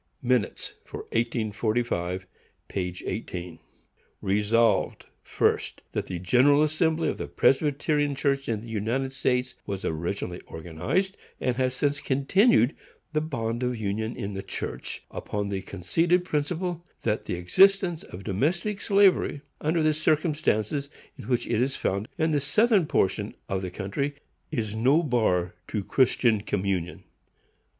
(Minutes for 1845, p. 18.) Resolved, 1st. That the General Assembly of the Presbyterian Church in the United States was originally organized, and has since continued the bond of union in the church, upon the _conceded principle that the existence of domestic slavery, under the circumstances in which it is found in the Southern portion of the country, is no bar to Christian communion_.